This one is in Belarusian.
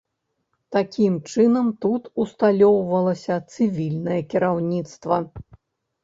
Такім чынам, тут усталёўвалася цывільнае кіраўніцтва.